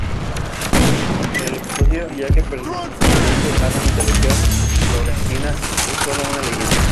Pero el episodio, que ya pertenece a la mitología florentina, es solo una leyenda.